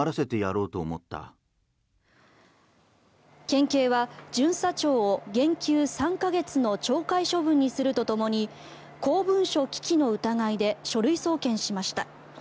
県警は巡査長を減給３か月の懲戒処分にするとともに公文書毀棄の疑いで書類送検しました。